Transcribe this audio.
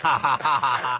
ハハハハ！